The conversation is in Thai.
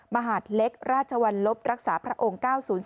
มหาดเล็กราชวรรลบรักษาพระองค์๙๐๔